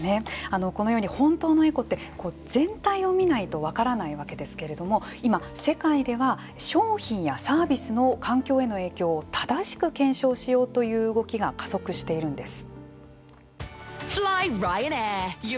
このように本当のエコって全体を見ないと分からないわけですけれども今世界では商品やサービスの環境への影響を正しく検証しようという動きが加速しているんです。